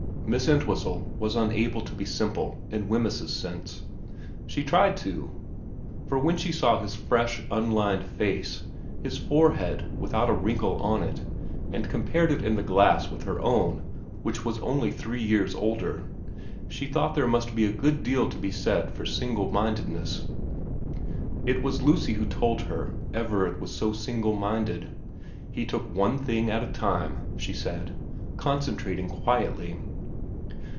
Miss Entwhistle was unable to be simple in Wemyss's sense. She tried to ; for when she saw his fresh, un lined face, his forehead without a wrinkle on it, and compared it in the glass with her own which was only three years older, she thought there must be a good deal to be said for single mindedness. It was Lucy who told her Everard was so single minded. He took one thing at a time, she said, concentrating quietly.